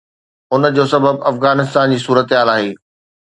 ان جو سبب افغانستان جي صورتحال آهي.